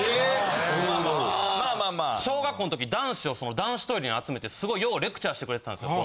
小学校の時男子を男子トイレに集めてすごいようレクチャーしてくれてたんすよ。